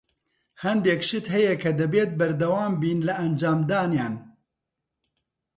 هەندێک شت هەیە کە دەبێت بەردەوام بین لە ئەنجامدانیان.